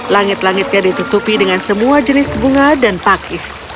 langit langitnya ditutupi dengan semua jenis bunga dan pakis